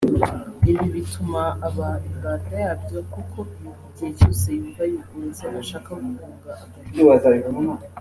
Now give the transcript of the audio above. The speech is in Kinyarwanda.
ibi bituma aba imbata yabyo kuko igihe cyose yumva yigunze ashaka guhunga agahinda